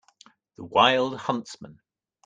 The wild huntsman.